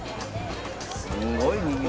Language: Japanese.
すごいにぎわい。